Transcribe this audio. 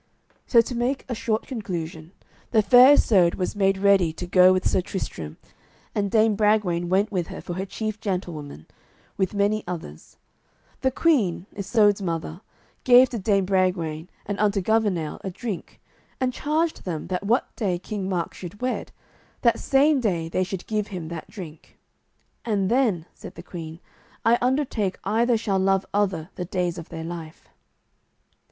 So, to make a short conclusion, the Fair Isoud was made ready to go with Sir Tristram, and Dame Bragwaine went with her for her chief gentlewoman, with many others. The queen, Isoud's mother, gave to Dame Bragwaine and unto Gouvernail a drink, and charged them that what day King Mark should wed, that same day they should give him that drink, "and then," said the queen, "I undertake either shall love other the days of their life."